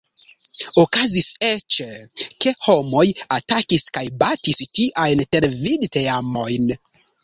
Okazis eĉ, ke homoj atakis kaj batis tiajn televid-teamojn.